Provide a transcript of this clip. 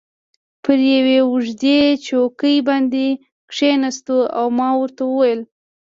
پر یوې اوږدې چوکۍ باندې کښېناستو او ما ورته وکتل.